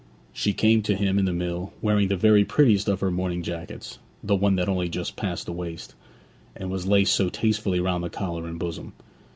She came to him in the mill, wearing the very prettiest of her morning jackets the one that only just passed the waist, and was laced so tastefully round the collar and bosom.